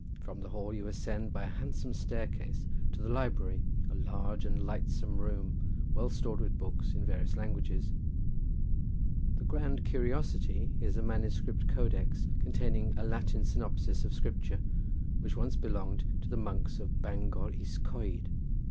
From the hall you ascend by a handsome staircase to the library, a large and lightsome room, well stored with books in various languages. The grand curiosity is a manuscript Codex containing a Latin synopsis of Scripture which once belonged to the monks of Bangor Is Coed.